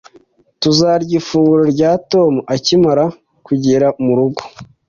Tuzarya ifunguro rya Tom akimara kugera murugo